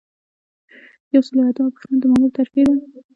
یو سل او اتمه پوښتنه د مامور ترفیع ده.